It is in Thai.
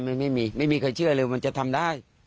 ไม่มีไม่มีใครเชื่อเลยมันจะทำได้